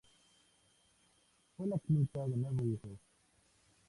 Fue la quinta de nueve hijos.